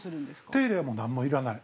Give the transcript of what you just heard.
◆手入れは何にも要らない。